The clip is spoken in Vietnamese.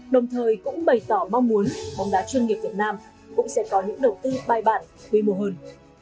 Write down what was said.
đồng thời cũng bày tỏ mong muốn bóng đá chuyên nghiệp việt nam cũng sẽ có những đầu tư bài bản quy mô hơn